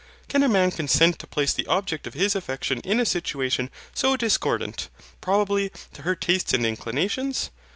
Can a man consent to place the object of his affection in a situation so discordant, probably, to her tastes and inclinations?